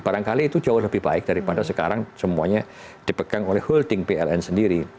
barangkali itu jauh lebih baik daripada sekarang semuanya dipegang oleh holding pln sendiri